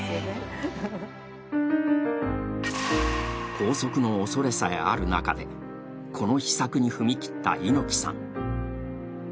拘束のおそれさえある中で、この秘策に踏み切った猪木さん。